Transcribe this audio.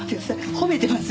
褒めてます？